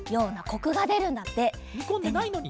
にこんでないのに？